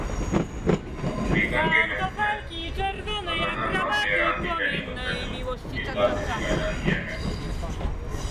امریکا کے محکمہ خزانہ حکام نے ایران کے شہریوں کو سپیشل ویزا دینے کا اعلان کیا ہے